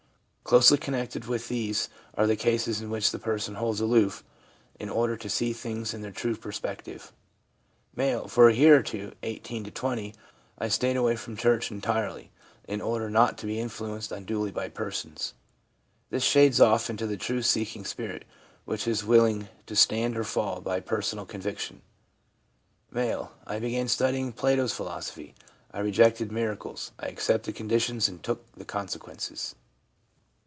Closely connected with these are the cases in which the person holds aloof in order to see things in their true perspective. M. ' For a year or two (18 to 20) I stayed away from church entirely, in order not to be influenced unduly by persons.' This shades off into the truth seeking spirit which is willing to stand or fall by personal conviction. M. ' I began studying Plato's philosophy. I rejected miracles, I accepted conditions and took the consequences.'